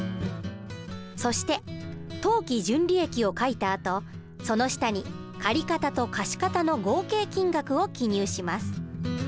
そして当期純利益を書いたあとその下に借方と貸方の合計金額を記入します。